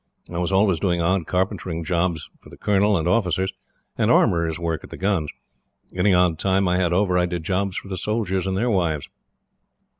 I was always doing odd carpentering jobs for the colonel and officers, and armourer's work at the guns. Any odd time I had over, I did jobs for the soldiers and their wives.